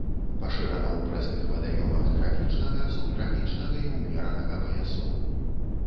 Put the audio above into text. Пашырана ў прэсных вадаёмах трапічнага, субтрапічнага і ўмеранага паясоў.